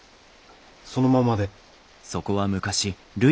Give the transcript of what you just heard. そのままで。